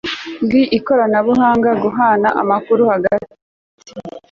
bw ikoranabuhanga guhanahana amakuru hagati